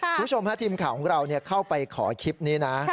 คุณผู้ชมฮะทีมข่าวของเราเข้าไปขอคลิปนี้นะ